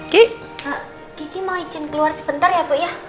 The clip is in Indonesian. kiki mau izin keluar sebentar ya